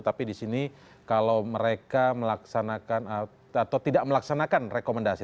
tapi di sini kalau mereka melaksanakan atau tidak melaksanakan rekomendasi